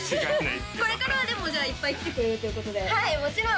これからはでもじゃあいっぱい来てくれるということではいもちろん！